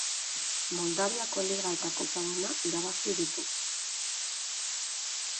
Moldaviako Liga eta Kopa bana irabazi ditu.